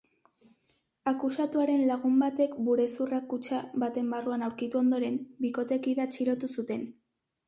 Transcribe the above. Akusatuaren lagun batek burezurra kutxa baten barruan aurkitu ondoren, bikotekidea atxilotu zuten.